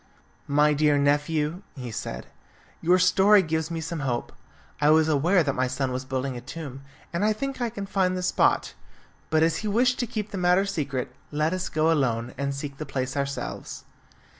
"My dear nephew," he said, "your story gives me some hope. I was aware that my son was building a tomb, and I think I can find the spot. But as he wished to keep the matter secret, let us go alone and seek the place ourselves."